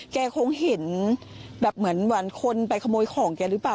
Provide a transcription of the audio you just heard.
แกคงเห็นแบบเหมือนคนไปขโมยของแกหรือเปล่า